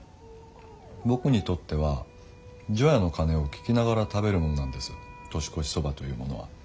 僕にとっては除夜の鐘を聞きながら食べるものなんです「年越しそば」というものは。